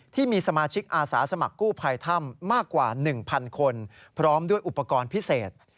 ที่มีสมาชิกอาสาสมัครกู้ภัยถ้ำมากกว่า๑๐๐คนพร้อมด้วยอุปกรณ์พิเศษ